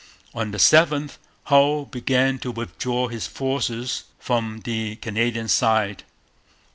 On the 7th Hull began to withdraw his forces from the Canadian side.